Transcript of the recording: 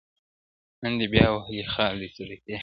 نن دي بیا وهلی خال دی صدقې.